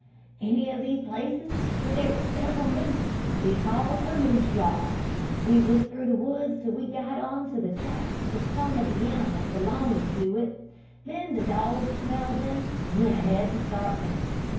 "Any of these places where there were several moose we called a moose yard. We went through the woods till we got on to the tracks of some of the animals belonging to it, then the dogs smelled them and went ahead to start them.